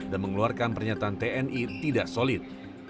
dan mengeluarkan pernyataan tni tidak solid